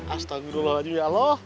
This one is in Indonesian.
astagfirullahaladzim ya allah